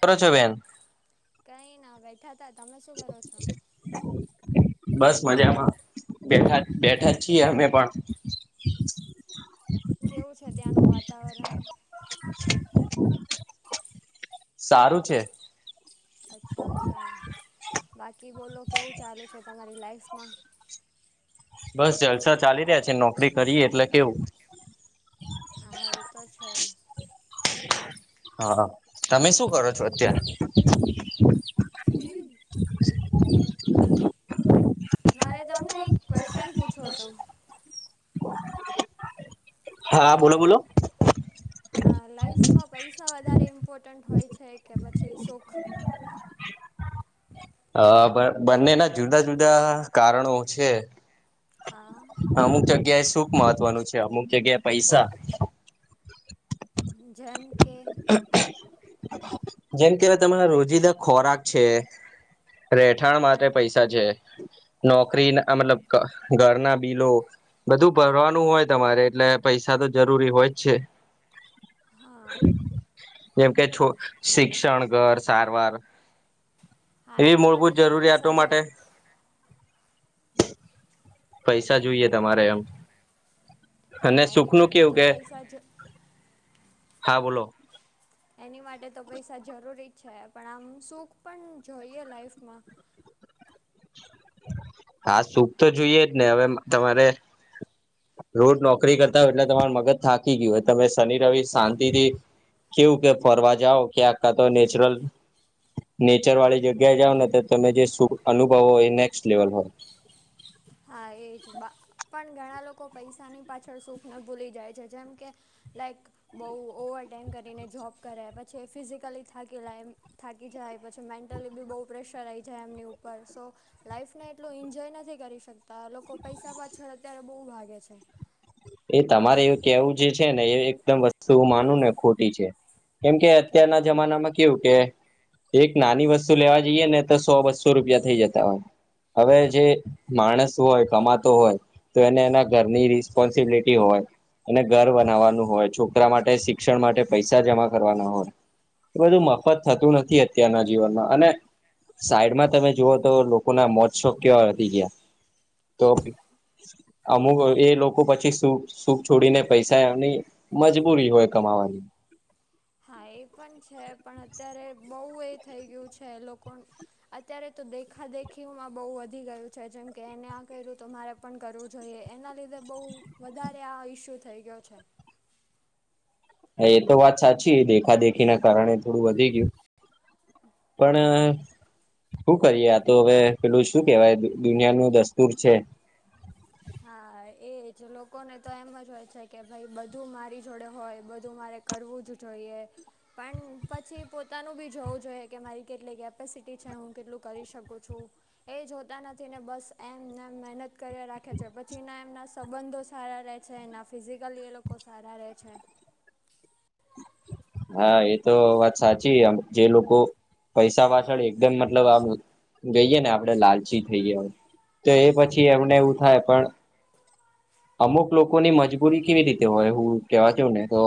કરોચો બેન? કઈ ના બેઠા તા તમે શું કરો છો [inaudible] બસ મજામાં બેઠા બેઠા જ છીએ અમે પણ. કેવું છે ત્યાંનું વાતાવરણ? [inaudible] હ [inaudible] સારું છે. અચ્છા અચ્છા, બાકી બોલો કેવું ચાલે છે તમારી લાઈફમાં? બસ જલસા ચાલી રહ્યા છે નોકરી કરીએ એટલે કેવું. હા એ તો છે. હા, તમે શું કરો છો અત્યાં હમ [unintelligible] [unintelligible] મારે તમને એક ક્વેશ્ચન પૂછ્યો હતો? હા બોલો બોલો આ લાઈફ માં પૈસા વધારે ઇમ્પોર્ટન્ટ હોય છે કે પછી સુખ? હ બંનેના જુદા જુદા કારણો છે. હા. અમુક જગ્યા એ શુંખ મહત્વનું છે અમુક જગ્યાએ પૈસા. જેમ કે જેમ કેવા તમારા રોજિદા ખોરાક છે. રહેઠાણ માટે પૈસા છે. નોકરી મતલબ ઘરના બિલો. બધું ભરવાનું હોય તમારે એટલે પૈસા તો જરૂરી હોય જ છે. હા એમ કે છોક શિક્ષણ ઘર સારવાર, હા એવી એના માટે મૂળભૂત તો જરૂરિયાતો પૈસા જ માટે પૈસા જોઈએ તમારે એમ, અને સુખ ન કેવું કે સાજો હા બોલો. એની માટે તો પૈસા જરૂરી જ છે પણ આમ સુખ પણ જોઈએ લાઈફમાં. હા સુપ તો જોઈએ જ ને હવે તમારે રોજ નોકરી કરતા હોય એટલે તમાર મગજ થાકી ગયું હોય તમે શનિ રવિ શાંતિથી કેવું કે ફરવા જાવ કે આખા તો નેચરલ નેચર વાળી જગ્યા જાાવ ને તો તમે જે શ અનુભવ હો એ નેક્સ્ટ લેવલ હોય. હા એ જ પણ ઘણા લોકો પૈસાની પાછળ સુખ ન ભૂલી જાય છે જેમ કે લાઈક બહુ ઓવરટેાઈમ કરીને જોબ કરે પછી ફિઝિકલી થાકીલાય. થાકી જાય પછી મેન્ટલી બી બહુ પ્રેશર આવી જાય એમની ઉપર સો લાઈફ ને એટલું એન્જોય નથી કરી શકતા લોકો પૈસા પાછળ અત્યારે બહુ ભાગે છે. એ તમારે એવું કેવું જે છે ને એ એકદમ વસ્તુ હું માનું ને ખોટી છે. કેમ કે અત્યારના જમાનામાં કેવું કે એક નાની વસ્તુ લેવા જઈએ ને તો સો, બસો રૂપિયા થઈ જતા હોય. હવે જે માણસ હોય, કમાતો હોય, તો એને એના ઘરની રિસ્પોન્સ સિબીલીટી હોય. અને ઘર બનાવવાનું હોય, છોકરા માટે શિક્ષણ માટે પૈસા જમા કરવાના હોય. એ બધું મફત થતું નથી અત્યારના જીવનમાં. અને સાઈડમાં તમે જુઓ તો લોકો ના મોજ શોક કેવા વધી ગયા. તો [unintelligible] અમુક એ લોક કો પછી સૂ સુખ છોડીને પૈસા એમની મજબૂરી હોય કમાવવાની. હા એ પણ છે, પણ અત્યારે બહુ એ થઈ ગયું છે લોકોન અત્યારે તો દેખા-દેખીઓમાં બહુ વધી ગયું છે, જેમ કે એને આ કર્યું તો મારે પન કરવું જોઈએ. એના લીધે બહુ વધારે આ ઇસ્યુ થઈ ગયો છે. હા એ તો વાત સાચી, એ દેખા-દેખી ના કારણે થોડું વધી ગયું. પણ શું કરીએ આ તો હવે પેલું શું કેવાય દુનિયાનું દસ્તુર છે. હા એજ લોકોને તો એમ જ હોય છે કે ભાઈ બધું મારી જોડે હોય બધું મારે કરવું જ જોઈએ. પણ પછી પોતાનું બી જોવું જોઈએ કે મારી કેટલી કેપેસિટી છે હું કેટલું કરી શકું છું. એ જ હોતા નથી ને બસ એમ મહેનત કર ખે છે પછીના એમના સંબંધો સારા રહે છે એના ફિઝિકલી એ લોકો સારા રહે છે. હા એ તો વાત સાચી જે લોકો પૈસા પાછળ એકદમ મતલબ આમ ગઈએ ને આપડે લાલચી થઈ ગયા હોય. તો એ પછી એમને એવું થાય પણ અમુક લોકોની મજબૂરી કેવી રીતે હોય હું કવા છ ને તો.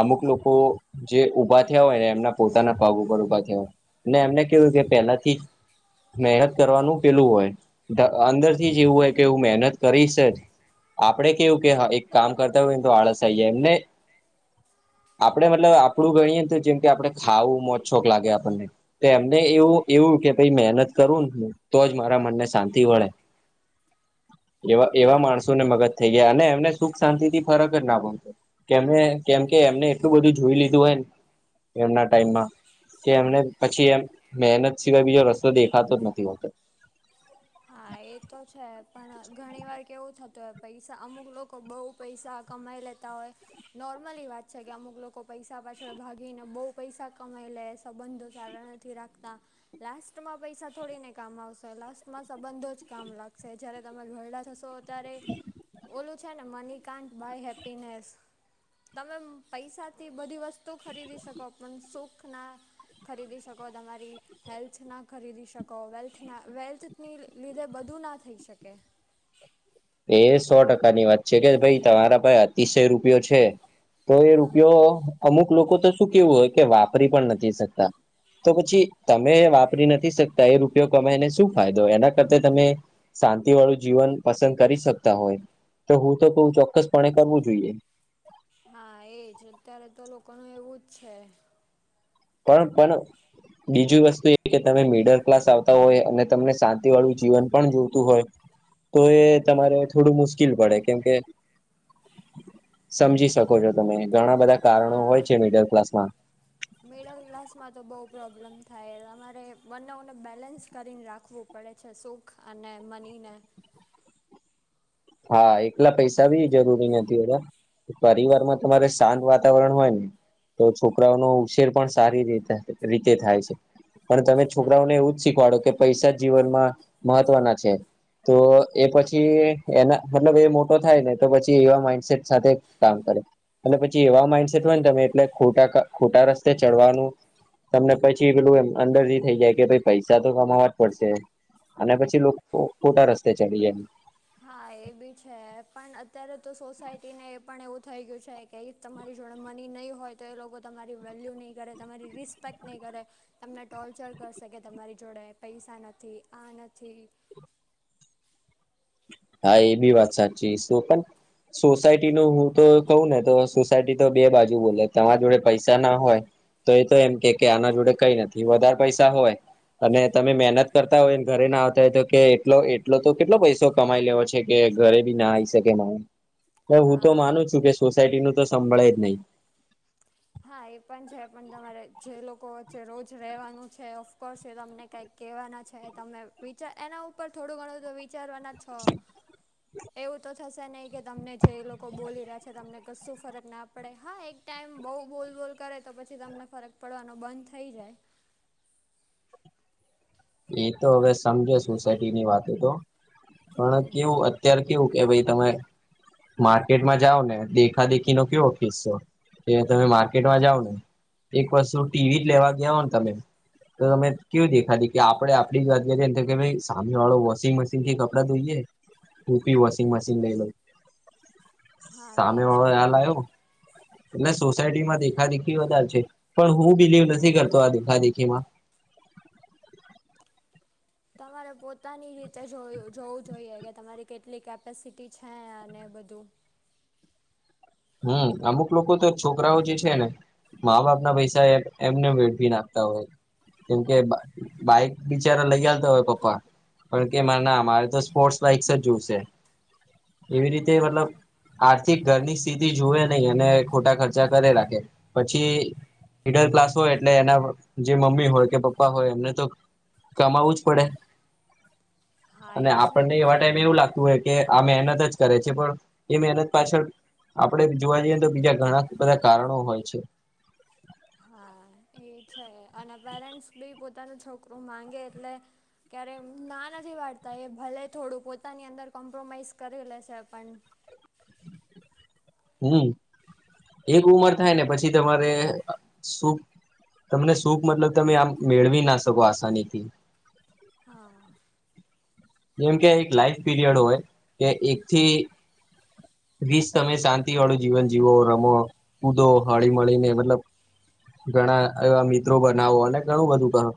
અમુક લોકો જે ઉભા થયા હોય ને એમના પોતાના પાગ ઉપર ઉભા થયા હોય. એમને કેવું કે પહેલાથી જ મહેનત કરવાનું પેલું હોય, અંદર થી જ એવું હોય કે હું મહેનત કરી છે જ. આપડે કેવું કે એક કામ કરતા હોય ને તો આળસ આઈએ એમને આપડે મતલબ આપડું ગણીએ જેમ કે આપણે ખાવું મોજ છોક લાગે આપણને. તો એમને એવું એવું કે મહેનત કરું ને તો જ મારા મનને શાંતિ વળે. એવા એવા હા માણસોને મગજ થઈ ગયા અને એમને સુખ શાંતિ થી ફરક જ ના પતો. કે કેમ કે એમને એટલું બધું જોઈ લીધું હોયને એમના ટાઈમમાં. કે એમને પછી એમ મહેનત સિવાય બીજો રસ્તો દેખાતો જ નથી હોતો. હા એ તો છે પણ ઘણી વાર કેવું થતું હોય પૈસા અમુક લોકો બઉ પૈસા કમાઈ લેતા હોય. નોર્મલી વાત છે કે અમુક લોકો પૈસા પાછળ ભાગીને બહુ પૈસા કમાઈ લે સંબંધો ચ રાખતા, લાસ્ટમાં પૈસા થોડીને કામ આવશે લાસમાં સંબંધો જ કામ લાગશે જયારે તમે વરડા થશો ત્યારે, ઓલું છે ને મની ક માઇ હેપીનેસ. તમે પૈસા થી બધી વસ્તુ ખરીદી શકો પણ સુખ ના ખરીદી શકો તમારી હેલ્થ ના ખરીદી શકો વેલ્થના વેલ્થ ની લીધે બધું ના થઈ શકે. એ સો ટકા ની વાત છે કે ભાઈ તમારા પાસે અતિશય રૂપિયો છે. તો એ હા રૂપિયો અમુક લોકો તો શું કેવું હોય કે વાપરી પણ નથી શકતા, તો પછી તમે વાપરી નથી શક એ રૂપયો કમાયને શું ફાયદો એના કર તમે, શાંતિ વાળું જીવન પસંદ કરી શકતા હોય, તો હું તો ચોક્કસપણે કરવું જોઈએ. હા એજ અત્યારે તો લોકોનું એવું જ છે. પણ પણ બીજી વસ્તુ એ કે તમે મિડલ ક્લાસ આવતા હોય અને તમને શાંતિ વાળું જીવન પણ જોતું હોય. તો એ તમારે થોડું મુશ્કેલ પડે કેમકે. સમજી શકો છો તમે ઘણા બધા કારણો હા હોય છે મિડલ ક્લાસમાં. મિડલ ક્લાસમાં તો બહુ પ્રોબ્લેમ થાય તમારે બંનેઓને બેલેન્સ કરીને રાખવું. પડે છે સુખ અને મનીને. હા એકલા પૈસા બી જરૂરી નથી હોતા. પરિવાર માં તમારે શાંત વાતાવરણ હોય ને. તો છોકરાઓનો ઉછેર પણ સારી રીતે થાય છે. પણ તમે હા છોકરાઓને એવું જ શીખવાડો કે પૈસા જીવનમાં મહત્વના છે તો એ પછી એના મતલબ એ મોટો થાય ને તો પછી એવા માઈન્ડસેટ સાથે કામ કરે. અને પછી એવા માઈન્ડસેટ હોય ને તમે એટલે ખોટા ખોટા રસ્તે ચડવાનું. તમને પછી પેલું એ અંદર થી થઇ જાય કે પૈસા તો કમાવા જ પડશે. અને પછી લોકો ખોટા રસ્તે ચડી જાય. હા એ બી છે પણ અત્યારે તો સોસાયટી ને એ પણ એવું થઈ ગયું છે. કે એ તમારી જોડે મની નહીં હોય તો એ લોકો તમારી વેલ્યુ નહીં કરે તમારી રિસ્પેક્ટ નહીં કરે તમને ટોર્ચર કરશે કે તમારી જોડે પૈસા નથી આ નથી હા એ બી વાત સાચી શું પણ સોસાયટી નું હું તો કહું ને તો સોસાયટી તો બે બાજુ બોલે તમારા જોડે પૈસા ના હોય તો એ તો એમ કે આના જોડે કઈ નથી વધારે પૈસા હોય અને તમે મહેનત કરતા હોયને ઘરે ના આવતા હોય તો કે એટલો એટલો તો કેટલો પૈસો કમાઈ લેવ છે કે ઘરે બી ના આવી શકે મા હું તો હા માનું છું કે સોસાયટી નું તો સંભાળે જ નહીં. હા એ પણ છે પણ તમારે જે લોકો વચ્ચે રોજ રહેવાનું છે, ઓફકોર્સ એ તમને કંઈક કેવાના છે તમે વિચાર એના ઉપર થોડું ઘણું વિચારવાના છો એવું તો થશે નહી કે તમને જે લોકો બોલી રહ્યા છે, તમને કશું ફરક ના પડે હા એક ટાઈમ બહું બોલ બોલ કરે તો પછી તમને ફરક પડવાનો બંધ થઈ જાય. એતો હવે સમજે સોસાયટી ની વાતો તો પણ હમ કેવું અત્યાર કેવું કે ભાઈ તમે માર્કેટમાં જાવ ને દેખા દેખી નો કેવો કિસ્સો કે તમે માર્કેટમાં જાવ ને એક વસ્તુ ટીવી જ લેવા ગયા હો ને તમે તો તમે કેવું દેખા દે કે આપડે આપડી ગદી એ કે સામે વાળો વોશિંગ મશીન થી કપડા ધોઈએે તુંબી વોશિંગ મશીન લઈલે હા એ સામે વાળો છે હાલ આવ્યો એટલે સોસાયટીમાં દેખા દેખી વધારે છે પણ હું બિલીવ નથી કરતો આ દેખા દેખીમાં તમારે પોતાની રીતે જોયું જોવું જોઈએ કે તમારી કેટલી કેપેસિટી છે અને બધું હમ અમુક લોકો તો છોકરાઓ જે છે ને મા બાપ ના પૈસા એમને વેઠવી નાખતા હોય. કેમ કે બાઈક બિચારા લઈ આલતા હોય પપ્પા તો કે ના મારે તો સ્પોર્ટ્સ બાઇક્સ જ જોવશે એવી હા રીતે એ મતલબ છે આર્થિક ઘરની સ્થિતિ જોવે નહી અને ખોટા ખર્ચા કરે રાખે પછી મીડલ ક્લાસ હોય એટલે એના જે મમ્મી હોય કે પપ્પા હોય એમને તો કમાવવું જ પડે હા અને એ છે આપણને એવા ટાઈમે એવું લાગતું હોય કે આ મહેનત જ કરે છે પણ એ મહેનત પાછળ આપડે જોવા જઈએ તો બીજા ઘણા બધા કારણો હોય છે. હા. એ છે અને પેરેન્ટ્સ બી પોતાનું છોકરું માંગે એટલે ક્યારેય ના નથી પાડતા એ ભલે થોડું પોતાની અંદર કોમ્પ્રોમાઈઝ કરી લેશે પણ હમ એક ઉમર થાય ને પછી તમારે શું? તમને સુંખ મતલબ તમે આમ મેળવી ના શકો આસાનીથી. હા. જેમ કે એક લાઈફ પીરિયડ હોય કે એકથી વીસ તમે શાંતિ વાળું જીવન જીવો રમો કૂદો હળી મળીને મતલબ ઘણા એવા મિત્રો બનાવો અને ઘણું બધું કરો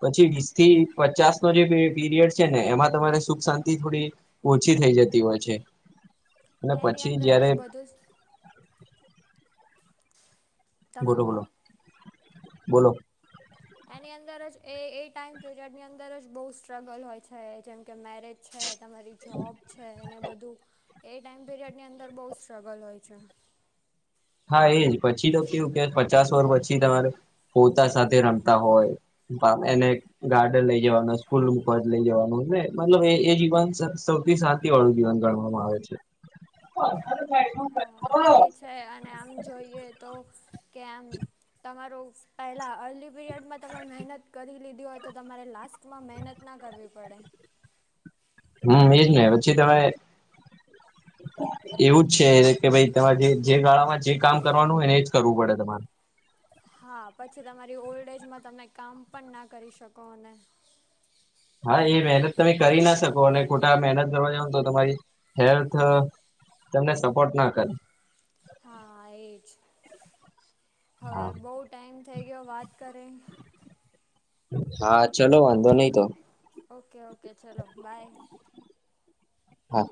પછી હા વીસ થી પચાસ નો જે પીરિયડ છે ને એમાં તમારે સુખ શાંતિ થોડી ઓછી થઈ જતી હોય છે અને એની પછી અંદર જયારે જ બધું જ બોલો બોલો બોલો. એની અંદર જ એ એ ટાઈમ પીરિયડ ની અંદર જ બહુ સ્ટ્રગલ હોય છે જેમ કે મેરેજ છે તમારી જોબ છે એને બધું એ ટાઈમ પિરિયડની અંદર બહુ સ્ટ્રગલ હોય છે. હા એજ પછી તો કેવું કે પચાસ વર પછી તમારે પોતા સાથે રમતા હોય એને ગાર્ડન લઈ જવાનું સ્કૂલ મુજ લઈ જવાનું મતલબ એ જીવન સૌથી વાળું જીવન ગણવામાં આવે છે. હા એ છે અને આમ જોઈએ તો કે આમ તમારું પહેલાં અર્લી પિરિયડમાં તમે મહેનત કરી લીધી તો તમારે લાસ્ટમાં મહેનત ના કરવી પડે હમ એજ નને પછી તમે એવું જ છે કે ભાઈ તમારે જે જે ગાળામાં જે કામ કરવાનું એને જ કરવું પડે તમારે હા પછી તમારી ઓલ્ડ એજમાં તમે કામ પણ ના કરી શકો અને હા એ મહેનત તમે કરી ના શકો અને ખોટા મહેનત કરવા જાવ ને તો તમારી હેલ્થ તમને સપોર્ટ ના કરે હા એજ હવે હા બહુ ટાઈમ થઈ ગયો વાત કરે હા ચલો વાંધો નહી તો ઓકે ઓકે ચલો બાય હા